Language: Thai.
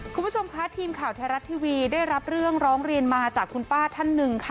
คุณผู้ชมคะทีมข่าวไทยรัฐทีวีได้รับเรื่องร้องเรียนมาจากคุณป้าท่านหนึ่งค่ะ